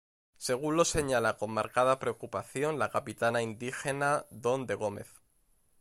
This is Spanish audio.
Según lo señala con marcada preocupación la Capitana Indígena Dawn de Gómez.